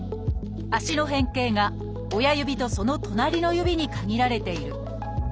足の変形が親指とそのとなりの指に限られている。